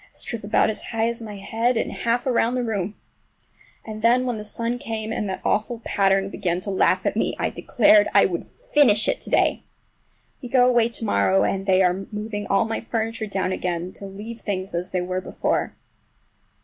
A strip about as high as my head and half around the room. And then when the sun came and that awful pattern began to laugh at me I declared I would finish it to day! We go away to morrow, and they are moving all my furniture down again to leave things as they were before.